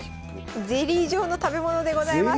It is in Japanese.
ゼリー状の食べ物でございます。